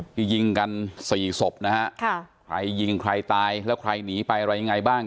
ที่ยิงกันสี่ศพนะฮะค่ะใครยิงใครตายแล้วใครหนีไปอะไรยังไงบ้าง